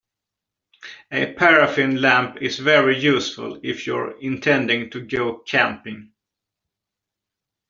A paraffin lamp is very useful if you're intending to go camping